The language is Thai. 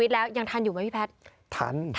แล้วคำสนิท